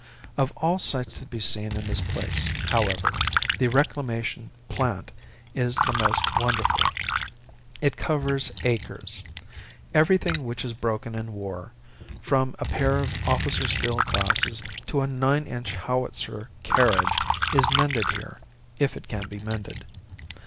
Of all sights to be seen in this place, however, the reclamation "plant" is the most wonderful. It covers acres. Everything which is broken in war, from a pair of officer's field glasses to a nine inch howitzer carriage is mended here if it can be mended.